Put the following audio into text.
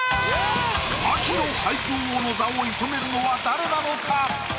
秋の俳句王の座を射止めるのは誰なのか⁉